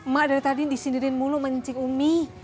mak dari tadi disindirin mulu mencik umi